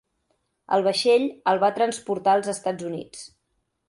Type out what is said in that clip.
El vaixell el va transportar als Estats Units.